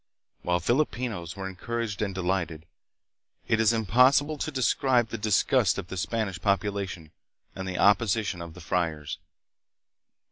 While Filipinos were encouraged and delighted, it is im possible to describe the disgust of the Spanish population and the opposition of the friars.